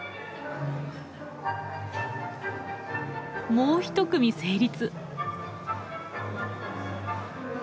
もう一組成立。